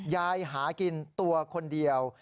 หากินตัวคนเดียว